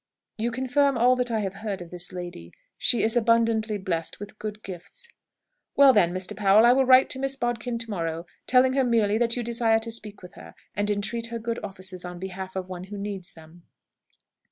"You confirm all that I have heard of this lady. She is abundantly blessed with good gifts." "Well, then, Mr. Powell, I will write to Miss Bodkin to morrow, telling her merely that you desire to speak with her, and entreat her good offices on behalf of one who needs them."